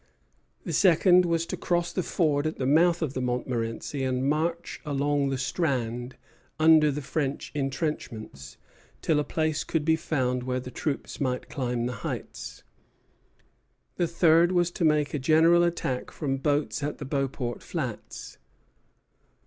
The second was to cross the ford at the mouth of the Montmorenci and march along the strand, under the French intrenchments, till a place could be found where the troops might climb the heights. The third was to make a general attack from boats at the Beauport flats.